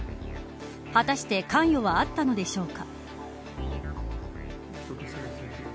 果たして関与はあったのでしょうか。